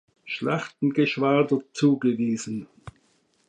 Schlachtengeschwader zugewiesen.